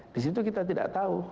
disitu kita tidak tahu